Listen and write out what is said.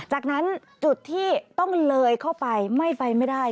จากนั้นจุดที่ต้องเลยเข้าไปไม่ไปไม่ได้